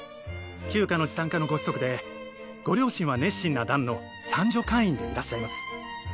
旧家の資産家のご子息でご両親は熱心な団の賛助会員でいらっしゃいます。